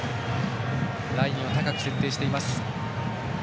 ラインを高く設定しています。